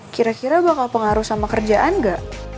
kira kira bakal pengaruh sama kerjaan nggak